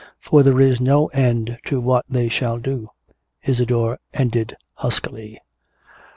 For there is no end to what they shall do," Isadore ended huskily.